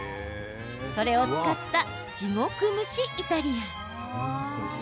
それを使った地獄蒸しイタリアン。